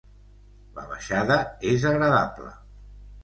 La baixada és agradable.